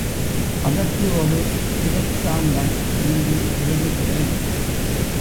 அதற்கு ஒரு திருஷ்டாந்தம் இங்கு எழுதுகிறேன்.